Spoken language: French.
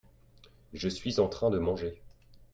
je suis en train de manger.